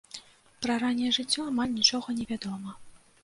Пра ранняе жыццё амаль нічога невядома.